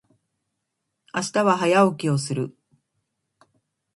明日は早起きをする。